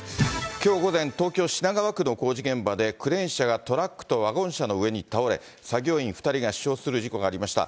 きょう午前、東京・品川区の工事現場で、クレーン車がトラックとワゴン車の上に倒れ、作業員２人が死傷する事故がありました。